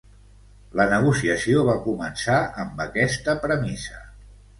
La negociació va començar amb aquesta premissa.